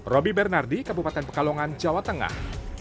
roby bernardi kabupaten pekalongan jawa tengah